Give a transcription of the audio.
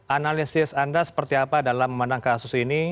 analisis anda seperti apa dalam memandang kasus ini